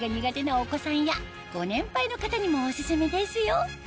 なお子さんやご年配の方にもオススメですよ